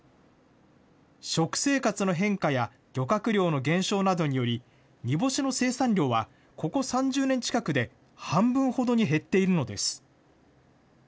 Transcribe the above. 食生活の変化や漁獲量の減少などにより、煮干しの生産量は、ここ３０年近くで半分ほどに減っているのです。